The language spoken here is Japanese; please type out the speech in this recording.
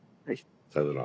さよなら。